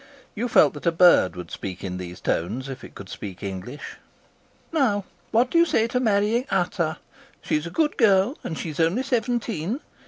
You felt that a bird would speak in these tones if it could speak English. "'Now, what do you say to marrying Ata? She's a good girl and she's only seventeen.